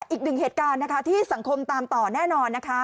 อีกหนึ่งเหตุการณ์นะคะที่สังคมตามต่อแน่นอนนะคะ